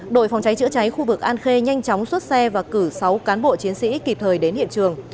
đội phòng cháy chữa cháy khu vực an khê nhanh chóng xuất xe và cử sáu cán bộ chiến sĩ kịp thời đến hiện trường